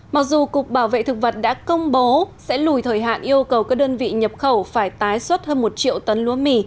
mặc dù cục bảo vệ thực vật đã công bố sẽ lùi thời hạn yêu cầu các đơn vị nhập khẩu phải tái xuất hơn một triệu tấn lúa mì